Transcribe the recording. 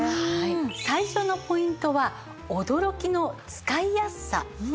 最初のポイントは驚きの使いやすさです。